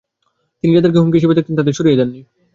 তিনি যাদেরকে হুমকি হিসেবে দেখতেন তাদের সরিয়ে দেননি।